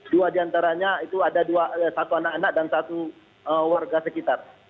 dua diantaranya itu ada satu anak anak dan satu warga sekitar